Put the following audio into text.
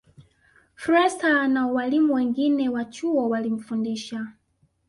Fraser na walimu wengine wa chuo walimfundisha